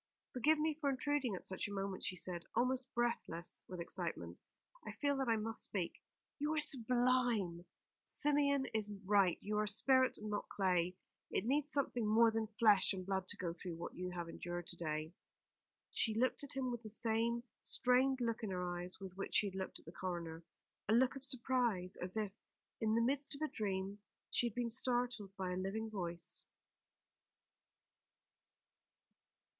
"Forgive me for intruding at such a moment," he said, almost breathless with excitement. "I feel that I must speak. You were sublime! Symeon is right. You are spirit and not clay. It needs something more than flesh and blood to go through what you have endured to day." She looked at him with the same strained look in her eyes with which she had looked at the coroner; a look of surprise, as if, in the midst of a dream, she had been startled by a living voice.